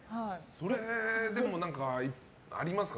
でも何かありますか？